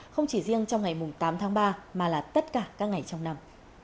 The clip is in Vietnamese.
không chỉ riêng trong ngày tám tháng ba mà là tất cả các ngày trong năm